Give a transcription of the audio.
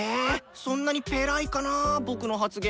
そんなにペラいかなあ僕の発言。